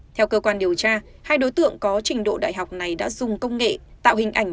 theo cơ quan điều tra hai đối tượng có trình độ đại học này đã dùng công nghệ tạo hình ảnh